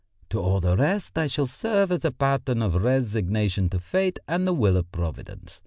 To all the rest I shall serve as a pattern of resignation to fate and the will of Providence.